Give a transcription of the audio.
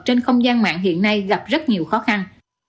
trên không gian mạng hiện nay gặp rất nhiều khó khăn